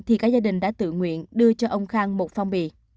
thì cả gia đình đã tự nguyện đưa cho ông khang một phong bì